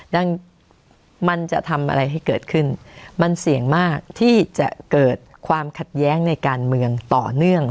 ดังนั้นมันจะทำอะไรให้เกิดขึ้นมันเสี่ยงมากที่จะเกิดความขัดแย้งในการเมืองต่อเนื่อง